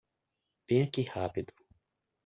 Venha aqui rápido!